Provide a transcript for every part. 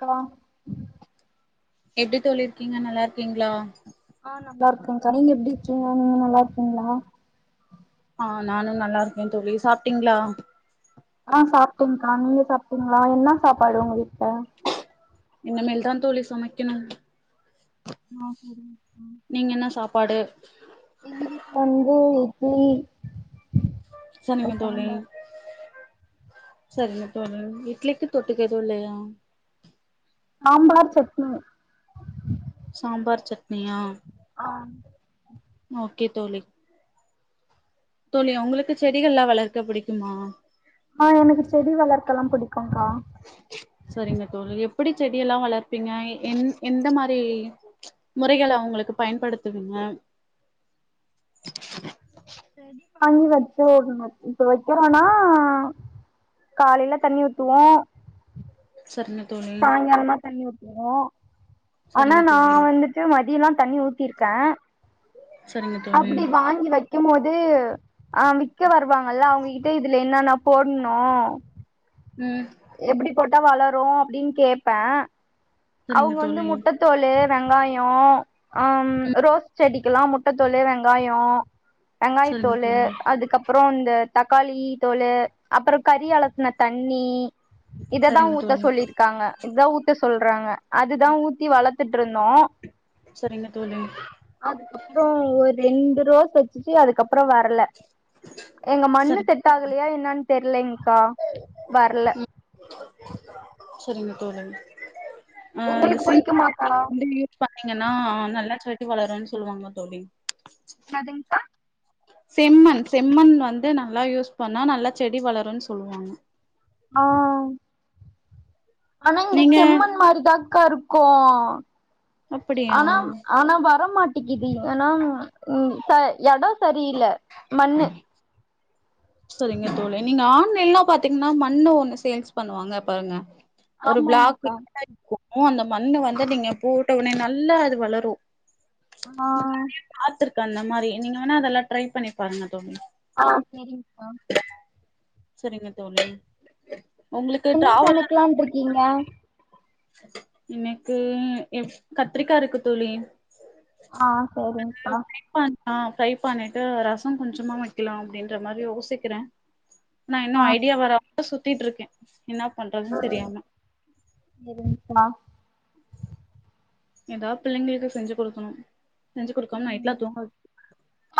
கலாம் எப்டி தோழி இருக்கீங்க நல்லாருக்கீங்களா ஆஹ் நல்லா இருக்கேங்கா நீங்க எப்டி நீங்க நல்லா இருக்கீங்களா ஆஹ் நானு நல்லா இருக்கே தோழி சாப்டீங்களா ஆஹ் சாப்டேங்கா நீங்க சாப்டீங்களா என்ன சாப்பாடு உங்க வீட்ல இனிமேல்தா தோழி சமைக்கணு ஆஹ் சரிங்கா பாடு எங்க வீட்ல வந்து [unintelligible] அ சரிங்க தோழி சாம்பார் சரிங்க தோழி இட்லிக்கு தொட்டுக்க எதுவு இல்லையா சாம்பார் சட்னி சாம்பார் சட்னியா ஆஹ் ஓகே தோழி தோழி உங்களுக்கு செடிகள்லா வளர்க்க புடிக்குமா ஆஹ் எனக்கு செடி வளர்க்கல்லா புடிக்கும்கா எப்புடி செடியெல்லா வளர்ப்பீங்க எ எந்த எந்த மாரி முறைகள அவுங்களுக்கு பயன்படுத்துவீங்க செடி வாங்கி வச்சர்ணு இப்ப வைக்கிறோனா காலேயில தண்ணி ஊத்துவோ சரிங்க தோழி சாய்ங்காலமா தண்ணி ஊத் துவோ ஆனா சரிங்க நா தோழி வந்துட்டு மதியல்லா தண்ணி ஊத்திருக்கே சரிங்க தோழி அப்டி வாங்கி வைக்கும் போது இதுவு ஆஹ் வி்க்க வருவாங்கல்ல அவுங் இப்ப இதுல என்னன்னா போட்னோ ம் எப்புடி ப ட்டா வளரு அப்டின்னு கேப்பே சரிங்க அவுங்க வந்து தோழி முட்டத்தோலு வெங்காயோ ஆம் ரோஸ் செடிக்கெல்லா முட்டத்தோலு வெங்காயோ சரிங்க வெங்காயத்தோலு தோழி அதுக்கப்புறோ இந்த தக்காளி தோலு அப்பறோ கறி அளத்துன தண்ணி இததா சரிங்க ஊத்த தோழி சொல்லிருக்காங்க இதா ஊத்த சொல்றாங்க அதுதா ஊத்தி வளத் த்துட்ருந்தோ சரிங்க தோழி அதுக்கப்பற ஒ ரெண்டு ரோச இப்பயே அதுக்கப்ரோ வரல எங்க மண்ணு சரி செட்டாகலாயா என்னான் தெரியலங்க்கா வரல சரிங்க தோழி அ அந்த உங்களுக்கு சில் புடிக்குமாக்கா இந்தலிவு பண்ணீங்கன்னா நல்ல செட் எப்டு வளருன் சொல்லுவாங்க தோழி என்னாதுங்கா செம்மண் செம்மண் வந்து நல்லா யூஸ் பண்ணா நல்லா செடி வளருன்னு சொல்லுவாங்க ஆ ஆனா இங்க நீங்க செம்மன் மாறிதாக்காரு கோன் அப்படியா ஆனாம் ஆனாம் வரமாட் [unintelligible] ஆனாம் ங் பய் எடோ சரியில்ல மண்ணு சரிங்க தோழேன் நீங்க ஆன்லைன்ல்லா பாத்தீன்னா மண்ணோ ஒண்ணு சேல்ஸ் பண்ணுவாங்க பாருங்க ஒரு பிளாக் [inaudible] ஆமாங்க்கா இருக்கு மோ அந்த மண்ணு வந்து நீங்க போட்ட ஒடனே நல்லா அது வளரு ஆஹ் கந்த மாறி நீங்க வேனா அதெல்லா ட்ரை பண்ணி பண்ண தோனி ஆ சேரிங்க்கா சரிங்க தோழி உங்களுக்கு இன்னைக்கு என்னா டிராவல் சமைக்கலாட்டு இருக்கீங்க எனக்கு எவ் கத்திரிக்கா இருக்கு தோழி ஆ செரிங்க்கா உம் பிலிப் பான் ஆஹ் ஃப்ரை பண்ணிட்டு ரசன் கொஞ்சமா வைக்கலா அப்டின்ற மாறி யோசிக்கிற நா இன்னு ஆ ஐடியா வரப்போ சுத் திட்டிட் இருக்கே என்னாப் பண்றதுன் தெரியாம செரிங்க்கா ஏதாவது பிள்ளைங்களுக்கு செஞ்சி கொடுக்கணு ம்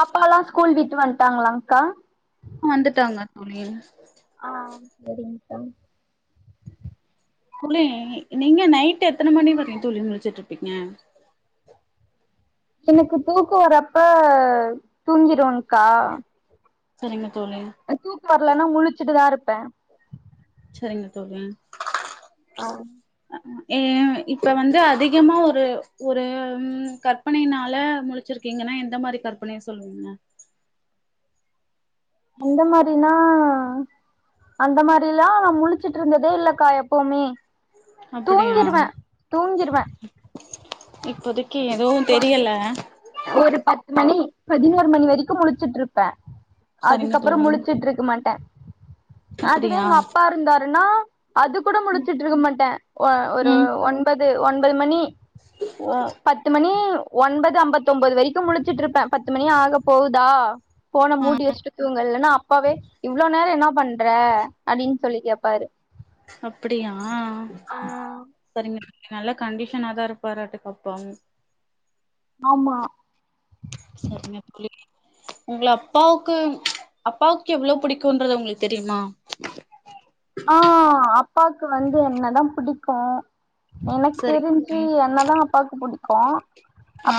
அப்பாலா ஸ்கூல் விட்டுவன் டாங்களாலாக்கா வந்துட்டாங்க தோழி ஆ செரிங்க்கா தோழி நீங்க நைட் எத்தன மணி வர தோழி முளிச்சிட்டுருப்பீங்க எனக்கு தூக்கோ வரப்ப தூங்கிரவன்கா சரிங்க தோழி தூக்கோ வர்லனா முழுச்சுட்டுதா இரு ப்ப சரிங்க தோழி ஆஹ் எ இப்ப வந்து அதிகமா ஒரு ஒரு கற்பனைையினால முழுச்சிருக்கீங்கனா எந்த மாரி கற்பனய சொல்லுவீங்க எந்த மாரினா அந்த மாரியெல்லா நா முழுச்சுட்டு இருந்ததே இல்லக்கா எப்பவுமே அப்படியா தூங்கிருவ தூங்கிருவ இப்போதைக் ஒரு ஒரு பத்து மணி பதினோரு மணி வரைக் கு முழுச்சிட்டு இருப்ப சரிங்க அதுக்கப்புறோ தோழி முழுச்சிட்டு இருக்க மாட்ட அதுவே அப்படியா எங்க அப்பா இருந்தாருனா அது கூட முழிச்சிட்டு இருக்க மாட்ட ஒ ஒரு ம் ஒன்பது து ஒன்பது மணி ஒ பத் ஒன்பது ஐம்பத்தொன்பது வரைக்கு முழுச்சிட்டு இருப்ப பத்து மணி ஆக போகுதா போன ஆ மூடி வெச்சுட்டு தூங்கல்ன் அப் அப்பாவே இவ்ளோ நேரோ என்ன பண்ற அப்டினு சொல்லி கேப்பாரு அப்படியா சரிங்க நல்ல கண்டிஷனாதா இருப்பாராட்டா அப்பாவு ஆமா சரிங்க தோழி உங்கள அப்பாவுக்கு அப்பாவுக்கு எவ்வளவு புடிக்குன்றது உங்களுக்கு தெரியுமா ஆ அப்பாக்கு வந்து என்னதா புடிக்கு எனக்கு சரிங்க தெரிஞ்சு தோழி என்னதா அப்பாக்கு புடிக்கு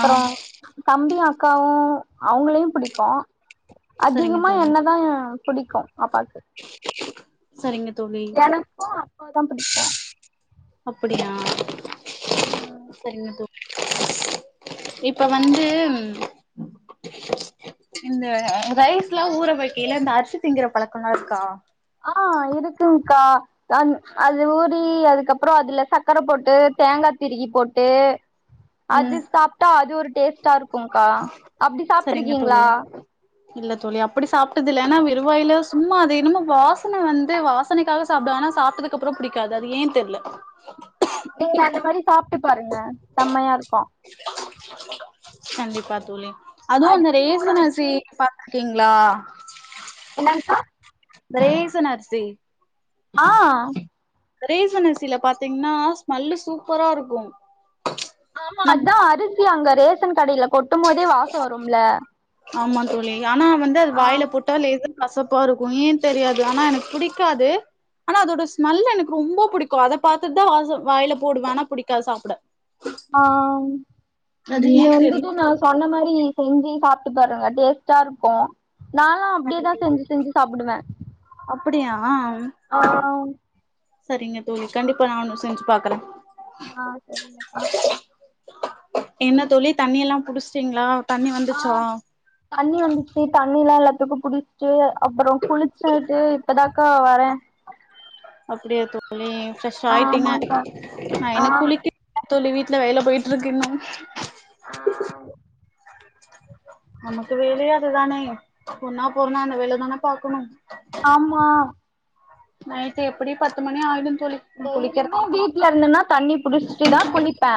ஆ ப்ச் தம்பி அக்காவு அவுங்களையு புடிக்கு சரிங்க அதிகமா தோழி என்னதா புடிக்கு அப்பாக் சரிங்க தோழி எனக்கு அப்பாதா புடிக் கு அப்படியா சரிங்க தோழி இப்ப வந்து இந்த ரைஸ் எல்லா ஊற வைக்கைல இந்த அரிசி திங்கிற பழக்கோ எல்லா இருக்கா ஆஹ் இருக்குங்கா அ அது ஊறி அதுக்கப்புறோ அதுல சக்கரை போட்டு தேங்கா திருகி போட்டு அது ம் சாப்பிட்டா அது ஒரு டேஸ்டா இருக்கும்கா அப்படி சாப்ட்டு சரிங்க தோழி இருக்கீங்ளா இல்ல தோழி அப்படி சாப்பிட்டது இல்ல ஏன்னா வெரும்வாயில சும்மா அது என்ன வாசனை வந்து வாசனைக்காக சாப்பிடு ஆனா சாப்பிட்டதுக்கு அப்புறம் பிடிக்காது அது ஏன் தெரியல நீங்க அந்த மாதிரி சாப் பாருங்க செம்மையா இருக்கும் கண்டிப்பா தோழி அதுவு அந்த அரிசி ஊற ரேசன் அரிசி வச்சு பா கீங்ளா என்னங்க்கா ரேசன் அரிசி ஆஹ் ரேசன் அரிசில பாத்தீங்கனா ஸ்மெல்லு சூப்பரா இருக்கும் ஆமா அதா அரிசி அங்க ரேஸ் சன் கடையில கொட் டும் போதே வாசோ வரும்ல ஆமா தோழி ஆனா வந்து அது ஆ வாய்ல போட்ட லேச கசப்பா இருக்கு ஏன் தெரியாது ஆனா எனக்கு பிடிக்காது ஆனா அதோட ஸ்மெல் எனக்கு ரொம்ப பிடிக்கு அத பாத்துட்டு தா வாச வாயில போடுவே ஆனா புடிக்காது சாப்ட ஆஹ் அது நீங்க ஏன் வந்துட்டு தெரில நா சொன்ன மாரி செஞ்சு சாப்ட்டு பாருங்க டேஸ்ட்டா இருக்கும் நாலா அப்டியேதா செஞ்சு செஞ்சு சாப்டுவே அப்புடியா ஆஹ் செரிங்க தோழி கண்டிப்பா நானு செஞ்சு பாக்கறே ஆஹ் செரிங்கக்கா என்ன தோழி தண்ணி எல்லா புடிச்சிட்டீங்களா தண்ணி வந்துச்சா ஆஹ் தண்ணி வந்துச்சு தண்ணில்லா இல்ல இடுப்பு புடிச்சு அப்பறோ குளிச்சுட்டு இப்பதாக்கா வ பே அப்டியா தோழி ஃப்ரெஷ் ஆயிட்டிங்க ஆமாங்க்கா நா ஆ இன்னு குளிக்கி தோழி வீட்ல வேல போயிட்டுருக்கு இன்னு ஆஹ் நமக்கு வேலயே அதுதானே பொண்ணா போறனா அந்த வேல தான பாக்கணு ஆமா நைட்டு எப்டி பத்து மணி ஆயிடு தோழி நா குளிக்கிறே டெய்லியுமே வீட்ல இருந்தேனா தண்ணி புடிச்சுட்டு தா குளிப்பே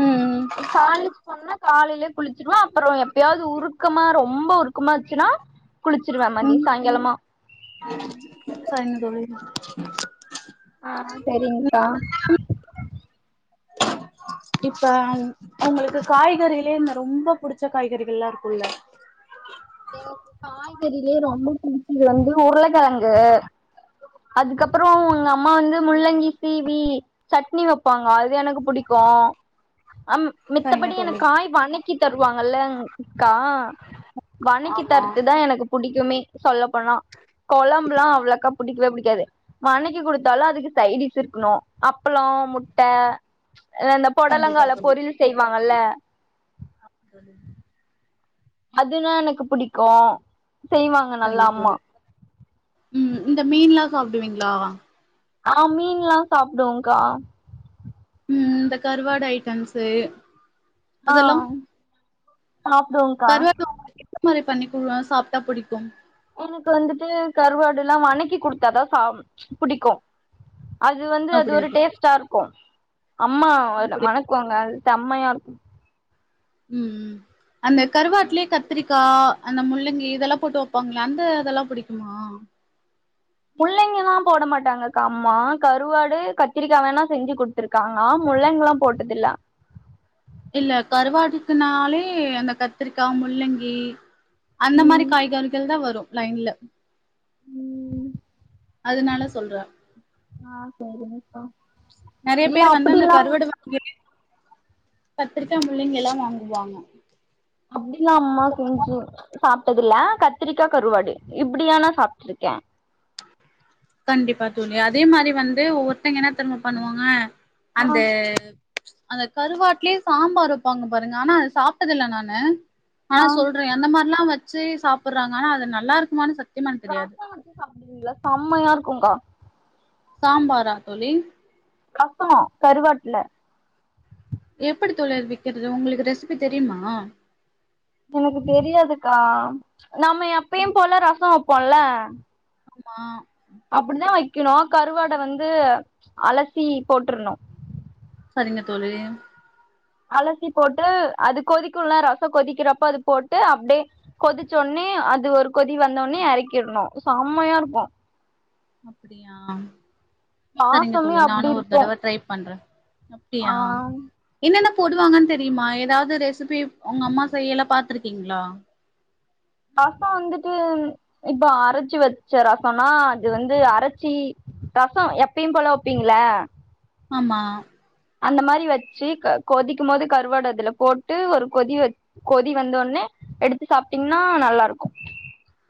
ம் இக்காலேஜ் போன காலேயிலே குளிச்சிருவோ அப்பறோ எப்பயாது உருக்கமா ரொம்ப உருக்கமாச்சுனா குளிச்சிருவே மதிய சாயங்காலமா உம் சாயனு தொழி ஆஹ் செரிங்க்கா இப்ப உங்களுக்கு காய்கறிலயே இந்த ரொம்ப புடிச்ச காய்கறிகள் எல்லா இருக்கும்ல்ல எனக்கு காய்கறிலேயே ரொம்ப பிடிச்சது வந்து உருளைக்கிழங்கு அதுக்கப்புறோ உங்க அம்மா வந்து முள்ளங்கி சீவி சட்னி வைப்பாங்க அது எனக்கு பிடிக்கு அ சரிங்க மித்தபடி தோழி எனக் காய் வணக்கி தருவாங்கல்லக்கா வன்னிக்கு ஆமா தரடு தா எனக்கு டிக்குமே சொல்ல னா குழம்ப எல்லா அவ்வளோக்கா புடிக்குவே புடிக் எது வணக்கி கொடுத்தாலு அதுக்கு சைடு இஸ் இருக்கணு அப்பளம் முட்ட அந்த கண்டிப்பா பொடலங்கால பொரியல் செய் வாங்கல்ல ஆ சொல்ல அதுனா எனக்கு புடிக்கு செய்வாங்க நல்லா சரிங்க அம்மா தோழி ம் இந்த மீன் எல்லா சாப்பிடுவீங்களா ஆஹ் மீன்ல்லா சாப்புடுவ்கா உம் இந்த கருவாடு ஐட்டம்ஸ்சு ஆஹ் சாப்புடு்ங்கா இந்தந்த மாதிரி பண்ணி குலுல்லா சாப்ட்டா பிடிக்கும் எனக்கு வந்துட்டு கருவாடு எல்லா வணக்கி குடுத்தா தா சாப் புடிக்கு அது வந்து அது அப்டியா ஒரு தோழி டேஸ்ட்டா இருக்கு கோ அம்மா அப்டி மணக்குவாங்க அ செம்மையா உம் அந்த கருவாடலயே கத்திரி க்கா அந்த முள்ளங்கி இதெல்லா போட்டு வைப்பாங்களா அந்த இதெல்லா பிடிக்குமா முள்ளங்கல்லா போட மாட்டாங்கக்கா அம்மா கருவாடு கத்திரிக்காய் வேணா செஞ்சு குடுத்துருக்காங்க முள்ளங்க எல்லா போட்டதல இல்ல கருவாட்டுக்குனாலே அந்த கத்திரிக்கா முள்ளங்கி அந்த மாரி காய்கறிகள் தா வரும் லைன்ல அதனால சொல்றே ஆஹ் சரிரி நீக்கா நெறைய பேர் வந்து அந்த கருவடு வாங்க கத்திரிக்காய் முள்ளிங்கல்லா வாங்குவாங்க அப்டில்லா அம்மா செஞ்சு சாப்ட்டதில்ல கத்திரிக்கா கருவாடு இப்படியானா சாப்ட்டுருக்க கண்டிப்பா தொலி அதே மாரி வந்து ஒவ்வொருத்தங்க என்ன தெருமா பண்ணுவாங்க ஆ அந்த அந்த கருவாட்லயே சாம்பார் வப்பாங்க பாருங்க ஆனா அது சாப்டதுல்ல நானு ஆ சொல்றே அந்த மாரில்லா வச் [unintelligible] சாப்றாங்க ஆனா அது நல்லா இருக்குமானு சத் [unintelligible] ங்களா செம்மையா இருக்குங்க்கா சாம்பாரா தோழி கஷ்டமா கருவாட்டுல எப்படி தோழி அது வக்கிறது உங்களுக்கு ரெசிபி தெரியுமா எனக்கு தெரியாதுக்கா நம்ம எப்பயு போல ரச வப் போண்ல ஆமா அப்படிதா வைக் க்கணு கருவாட வந்து அலசி போட்டுருணு சரிங்க தோழி அலசி போட்டு அது கொதிக்குல ரச கொதிக்கிறப்ப அது போட்டு அப்டியே கொதிச்சோனயே அது ஒரு கொதி வந்தோடனயே எறக்கிறணு செம்மையா இருக்கு அப்டியா சரிங்க வாசமே தோழி அப்டி நானு ஒரு இருக்கு தடவ ட்ரை பண்றே ஆ அப்டியா என்னன்ன போடுவாங்கன் தெரியுமா ஏதாவது ரெசிபி உங்க அம்மா செய்யல பாத்துருக்கீங்களா ரச வந்துட்டு இப்போ அரைச்சு வச்ச ரசம்னா அது வந்து அரைச்சி ரச எப்பயு போல வைப்பீங்கள ஆமா அந்த மாரி வச்சு க கொதிக்கும் போது கருவாடு அதுல போட்டு ஒரு கொதி வச் கொதி வந்த ஒனே எடுத்து சாப்பிட்டீங்கன்னா நல்லா இருக்கு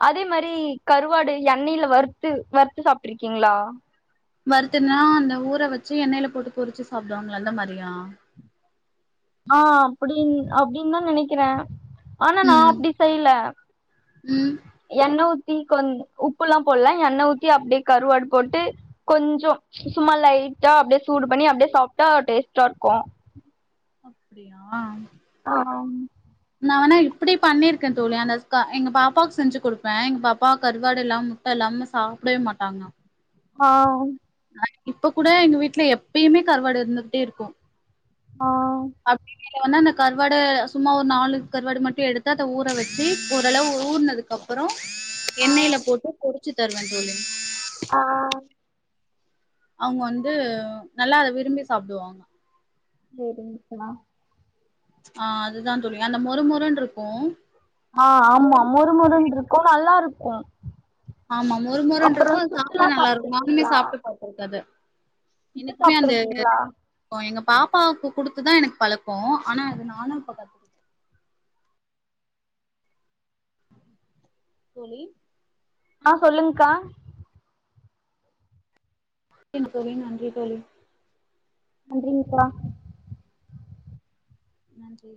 அதே மாதிரி கருவாடு எண்ணயில வறுத்து வறுத்து சாப்ட்டுருக்கீங்களா வருத்துன்னா அந்த ஊற வச்சு எண்ணெயில போட்டு பொறிச்சு சாப்டுவாங்களா அந்த மாரியா ஆ அப்படின் அப்படின் தா நெனைக்கிறே ஆனா நா ம் அப்டி செய்யல ம் என்ன ஊத் ஊத்தி க உப்பு எல்லா போடலா எண்ணெய ஊி அப்டியே கருவாடு போட்டு கொஞ்ச சும்மா லைட்டா அப்டியே சூடு பண்ணி அப்டியே சாப்பிட்டா டேஸ்டா இருக்கு அப்டியா ஆஹ்ம் நா வேணா இப்டி பண்ணிருக்க தோழி அந்த எங்க பாப்பாக்கு செஞ்சு கொடுப்பே எங்க பாப்பா கருவாடு இல்லாம முட்ட இல்லாம சாப்டவே மாட்டாங்க ஆஹ் இப்ப கூட எங்க வீட்டுல எப்பயுமே கருவாடு இருந்துகிட்டே இருக்கு ஆ [unintelligible] [unintelligible] வன்னா அந்த கறுவாட சும்மா ஒரு நாலு கருவாடு மட்டு எடுத்து அத ஊற வெச்சு ஓரளவு ஊற்னதுக்கு அப்பறோ எண்ணெயில ஆ போட்டு பொ ரிச்சு தருவே தோழி ஆ அவுங்க வந்து நல்லா அத விரும்பி சாப்டுவாங்க சேரி [unintelligible] ஆ அதுதா தோழி அந்த மொறுமொறுன்டுருக்கு ஆ ஆமா மொறுமொறுன்டுருக் ஓ நல்லாருக்கோ ஆமா மொறுமொறுன்டுருக்கு சாப்ட்டா நல்லாருக்கு நானுமே சாப்ட்ருக்கீங்ளா சாப்ட்டு பாத்திருக்கே அத சுட்டு எனக்குமே அந்த சாப்ட்ருக்கீங்ளா [unintelligible] எங்க பாப்பாவுக்கு குடுத்துதா எனக் பழக்கோ ஆனா அது நானு இப்ப கத்துகிட்ட தோழி ஆ சொல்லுங்க்கா ஓகேங்க தோழி நன்றி தோழி நன்றிங்க்கா நன்றி